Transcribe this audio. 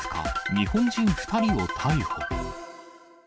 日本人２人を逮捕。